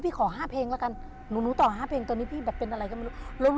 ขอ๕เพลงแล้วกันหนูต่อ๕เพลงตอนนี้พี่แบบเป็นอะไรก็ไม่รู้